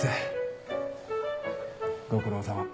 ご苦労さま。